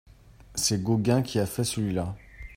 C'est Gauguin qui a fait celui-là...